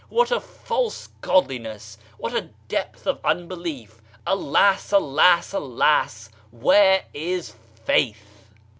What a false godliness I What a depth of unbelief! Alas! alas I alas I where is faith?